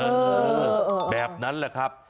เออแบบนั้นแหละครับ